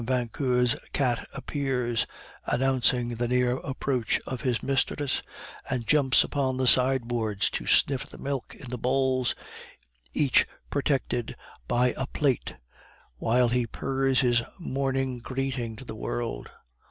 Vauquer's cat appears, announcing the near approach of his mistress, and jumps upon the sideboards to sniff at the milk in the bowls, each protected by a plate, while he purrs his morning greeting to the world.